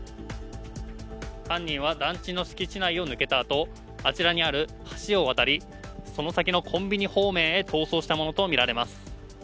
犯人は団地の敷地内を抜けたあと、あちらの橋を渡りその先のコンビニ方面へ逃走したものとみられます。